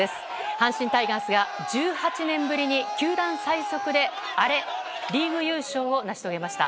阪神タイガースが１８年ぶりに球団最速で、アレリーグ優勝を成し遂げました。